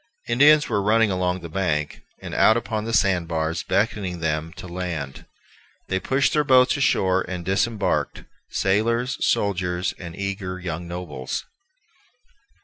Indians were running along the beach, and out upon the sand bars, beckoning them to land. They pushed their boats ashore and disembarked, sailors, soldiers, and eager young nobles.